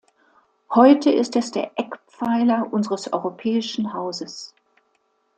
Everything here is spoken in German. Heute ist es der Eckpfeiler unseres europäischen Hauses.